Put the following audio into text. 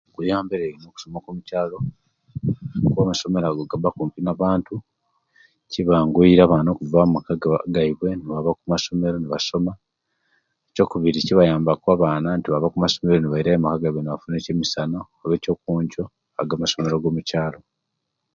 Kuyambire ino okusoma kwa mukyalo kuba amasomero ago gaba kumpi nabantu kubayanguyira abaana okuva omaka gaibwe nibaba okumasomero nibasoma ekyokubiri kiyamba abaana nti bava kumasomero nibaba bafuna ekyemisana, ekyo kuncho ago amasomero agomukyalo